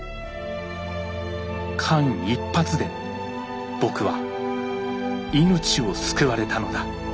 間一髪で僕は命を救われたのだ。